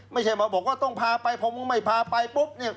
ไม่ใช่มาบอกว่าต้องพาไปพอผมไม่พาไปปุ๊บ